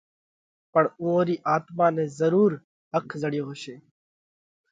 پڻ اُوئون رِي آتما نئہ ضرُور ۿک زڙيو هوشي۔